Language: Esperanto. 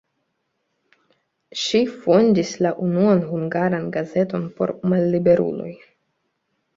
Ŝi fondis la unuan hungaran gazeton por malliberuloj.